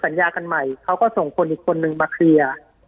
ปากกับภาคภูมิ